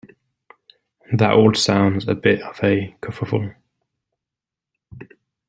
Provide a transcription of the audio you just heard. That all sounds a bit of a kerfuffle.